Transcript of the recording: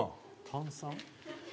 炭酸？